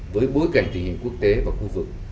với bối cảnh trình hình quốc tế và khu vực